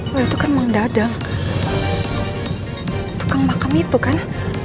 wah itu kan mang dadang tukang makam itu kan